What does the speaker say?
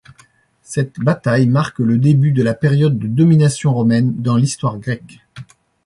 Cette bataille marque le début de la période de domination romaine dans l'histoire grecque.